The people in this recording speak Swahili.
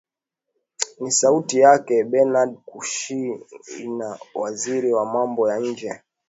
ni sauti yake benerd kushina waziri wa mambo ya nje